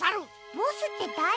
ボスってだれ？